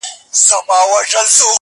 حقيقت ګډوډېږي د خلکو خبرو کي,